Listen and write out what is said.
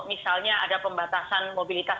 misalnya ada pembatasan mobilitas